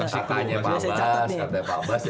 kasih tanya pak bas katanya pak bas ya